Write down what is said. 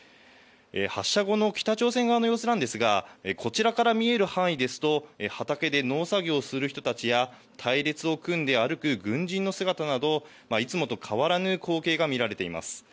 発射後の北朝鮮側の様子なんですが、こちらから見える範囲ですと、畑で農作業をする人たちや、隊列を組んで歩く軍人の姿など、いつもと変わらぬ光景が見られています。